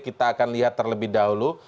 kita akan lihat terlebih dahulu